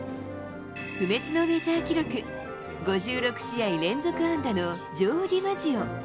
不滅のメジャー記録、５６試合連続安打のジョー・ディマジオ。